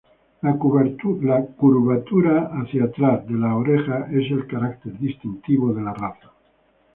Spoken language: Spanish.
La curvatura hacia atrás de las orejas es el carácter distintivo de la raza.